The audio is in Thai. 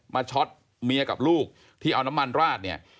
ช็อตเมียกับลูกที่เอาน้ำมันราดเนี่ย